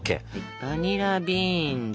バニラビーンズ。